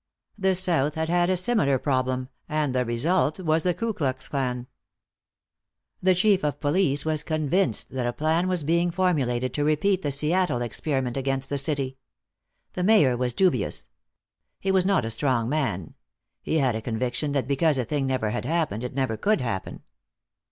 The South had had a similar problem, and the result was the Ku Klux Klan. The Chief of Police was convinced that a plan was being formulated to repeat the Seattle experiment against the city. The Mayor was dubious. He was not a strong man; he had a conviction that because a thing never had happened it never could happen.